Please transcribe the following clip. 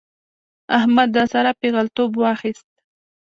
احمد د سارا پېغلتوب واخيست.